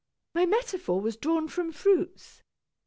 My metaphor was drawn from fruits.